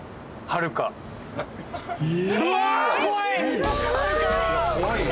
はるかー！